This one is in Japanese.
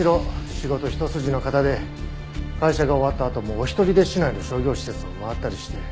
仕事ひと筋の方で会社が終わったあともお一人で市内の商業施設を回ったりして。